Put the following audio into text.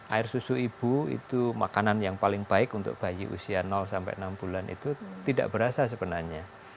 air susu ibu itu makanan yang paling baik untuk bayi usia sampai enam bulan itu tidak berasa sebenarnya